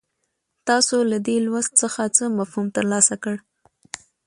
تاسو له دې لوست څخه څه مفهوم ترلاسه کړ.